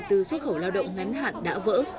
từ xuất khẩu lao động ngắn hạn đã vỡ